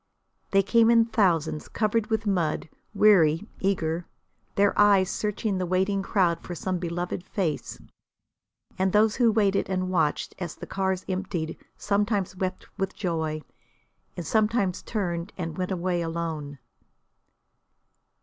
They came in thousands, covered with mud weary, eager, their eyes searching the waiting crowd for some beloved face. And those who waited and watched as the cars emptied sometimes wept with joy and sometimes turned and went away alone.